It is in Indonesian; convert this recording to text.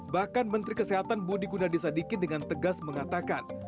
bahkan menteri kesehatan budi gunadisa dikin dengan tegas mengatakan